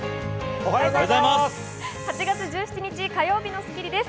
おはようございます。